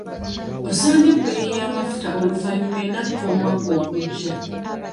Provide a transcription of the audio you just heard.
Osanga ebbeeyi y'amafuta oluvannyuma enakka omwaka ogujja.